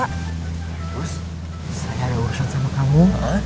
terus saya ada urusan sama kamu